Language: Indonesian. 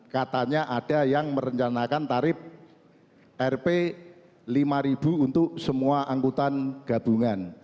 katanya ada yang merencanakan tarif rp lima untuk semua angkutan gabungan